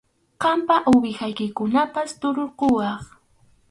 Qamqa uwihaykunatapas tukurquwaq.